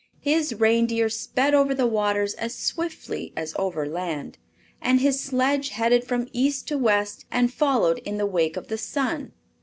His reindeer sped over the waters as swiftly as over land, and his sledge headed from east to west and followed in the wake of the sun.